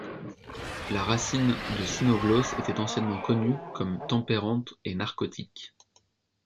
La racine de cynoglosse était anciennement connue comme tempérante et narcotique.